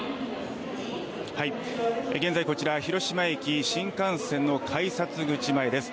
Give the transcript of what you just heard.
現在こちら広島駅新幹線の改札口前です。